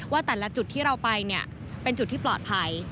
ว่าแต่ละจุดที่เราไปเนี่ยเป็นจุดที่ปลอดภัย